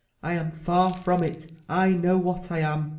"I am far from it. I know what I am.